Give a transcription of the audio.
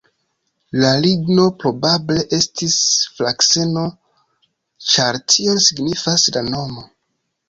La ligno probable estis frakseno, ĉar tion signifas la nomo.